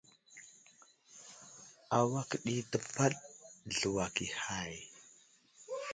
Awak di təpaɗ zluwak i hay.